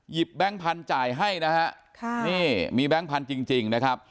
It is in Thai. แบงค์พันธุ์จ่ายให้นะฮะค่ะนี่มีแบงค์พันธุ์จริงนะครับ